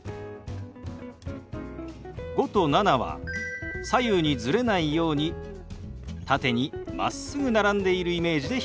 「５」と「７」は左右にズレないように縦にまっすぐ並んでいるイメージで表現します。